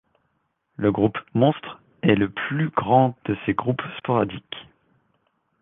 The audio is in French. Le groupe Monstre est le plus grand de ces groupes sporadiques.